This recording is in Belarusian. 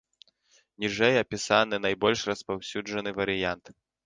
Ніжэй апісаны найбольш распаўсюджаны варыянт.